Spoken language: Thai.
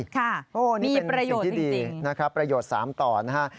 มีประโยชน์จริงนะครับนี่เป็นที่ดีใช่ประโยชน์๓ต่อนะครับ